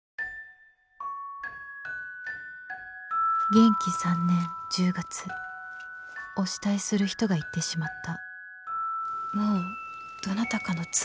「元亀三年十月お慕いする人が逝ってしまった」。